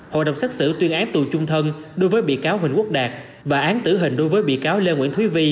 hội đồng xét xử tuyên án tù chung thân đối với bị cáo huỳnh quốc đạt và án tử hình đối với bị cáo lê nguyễn thúy vi